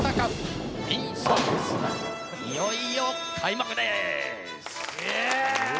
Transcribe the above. いよいよ開幕です！